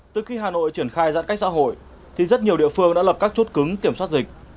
từ khi hà nội triển khai giãn cách xã hội thì rất nhiều địa phương đã lập các chốt cứng kiểm soát dịch